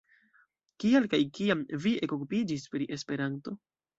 Kial kaj kiam vi ekokupiĝis pri Esperanto?